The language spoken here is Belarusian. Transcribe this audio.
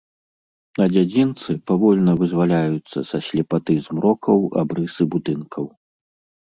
На дзядзінцы павольна вызваляюцца са слепаты змрокаў абрысы будынкаў.